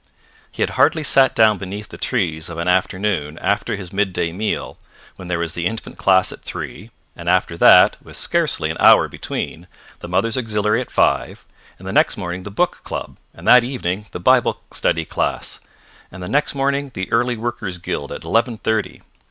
He had hardly sat down beneath the trees of an afternoon after his mid day meal when there was the Infant Class at three, and after that, with scarcely an hour between, the Mothers' Auxiliary at five, and the next morning the Book Club, and that evening the Bible Study Class, and the next morning the Early Workers' Guild at eleven thirty.